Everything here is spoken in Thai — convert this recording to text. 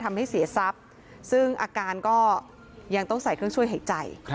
ทำให้เสียทรัพย์ซึ่งอาการก็ยังต้องใส่เครื่องช่วยหายใจ